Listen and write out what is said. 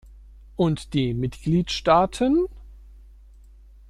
Und die Mitgliedstaaten?